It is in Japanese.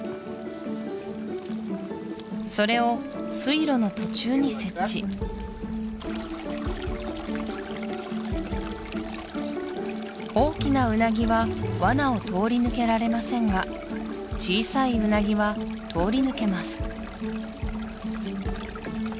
それを水路の途中に設置大きなウナギはワナを通り抜けられませんが小さいウナギは通り抜けます